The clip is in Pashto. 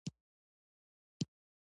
تل دې وي زموږ کلتور.